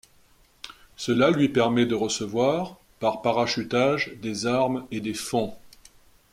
Cela lui permet de recevoir, par parachutages, des armes et des fonds.